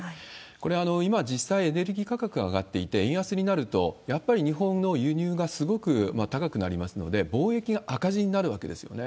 これ、今実際エネルギー価格が上がっていて、円安になると、やっぱり日本の輸入がすごく高くなりますので、貿易が赤字になるわけですよね。